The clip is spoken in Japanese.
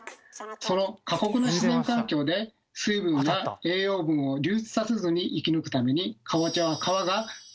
その過酷な自然環境で水分や栄養分を流出させずに生き抜くためにかぼちゃは皮が。